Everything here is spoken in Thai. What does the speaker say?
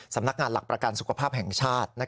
สำนักงานหลักประกันสุขภาพแห่งชาติ